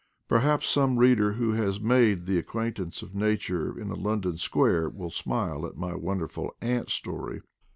Perhaps some reader, who has made the ac quaintance of nature in a London square, will smile at my wonderful ant story.